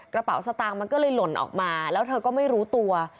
กระเป๋าสตางค์มันก็เลยหล่นออกมาแล้วเธอก็ไม่รู้ตัว